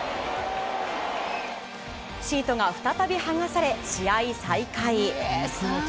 シートが再び剥がされ試合再開。